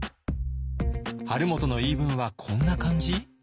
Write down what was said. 晴元の言い分はこんな感じ？